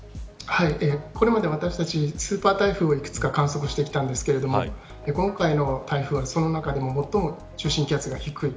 これまで私たちスーパー台風をいくつか観測してきたんですけど今回の台風はその中でも最も中心気圧が低い。